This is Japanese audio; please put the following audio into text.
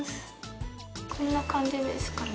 こんな感じですかね。